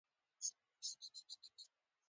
انرژي په کار بدلېږي.